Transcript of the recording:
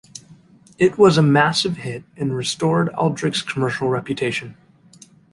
It was a massive hit and restored Aldrich's commercial reputation.